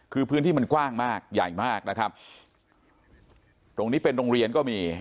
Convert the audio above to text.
คือพื้นที่มันกว้างมากใหญ่มากนะครับตรงนี้เป็นโรงเรียนก็มี